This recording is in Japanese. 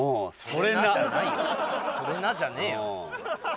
「それな」じゃねえよ。